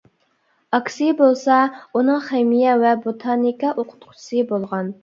ئاكىسى بولسا ئۇنىڭ خىمىيە ۋە بوتانىكا ئوقۇتقۇچىسى بولغان.